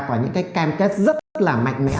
có những cái cam kết rất là mạnh mẽ